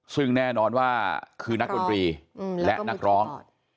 ซึ่งแน่นอนว่าคือนักดนตรีและนักร้อง